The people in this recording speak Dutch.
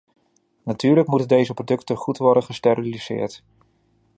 Natuurlijk moeten deze producten goed worden gesteriliseerd.